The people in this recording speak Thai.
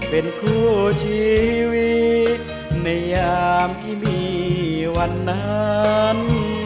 เป็นคู่ชีวิตในยามที่มีวันนั้น